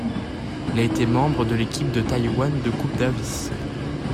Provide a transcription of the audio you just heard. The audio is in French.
Il a été membre de l'équipe de Taïwan de Coupe Davis.